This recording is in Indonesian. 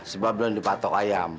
sebab belum dipatok ayam